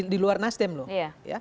di luar nasdem loh